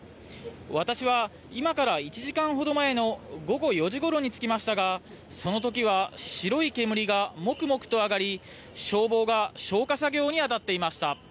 私は今から１時間ほど前の午後４時ごろに着きましたが、そのときは白い煙がもくもくと上がり、消防が消火作業に当たっていました。